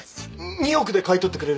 ２億で買い取ってくれるんですか！？